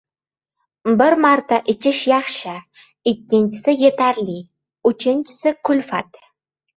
• Bir marta ichish ― yaxshi, ikkinchisi ― yetarli, uchinchisi ― kulfat.